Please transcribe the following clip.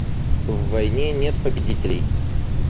В войне нет победителей.